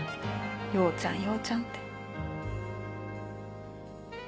耀ちゃん耀ちゃんって。